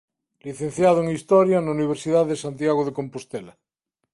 Licenciado en Historia na Universidade de Santiago de Compostela.